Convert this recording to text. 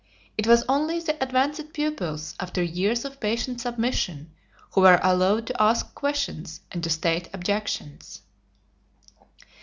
It was only the advanced pupils, after years of patient submission, who were allowed to ask questions and to state objections.